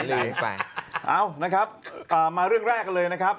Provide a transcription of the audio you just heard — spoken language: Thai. เอ้ามาเรื่องแรกเลยนะครับ